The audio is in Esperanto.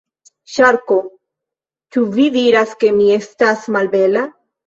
Ŝarko: "Ĉu vi diras ke mi estas malbela?"